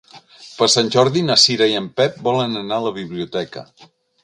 Per Sant Jordi na Cira i en Pep volen anar a la biblioteca.